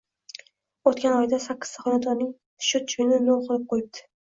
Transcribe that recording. O`tgan oyda sakkizta xonadonning schyotchigini nol qilib qo`yibdi